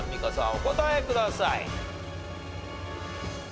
お答えください。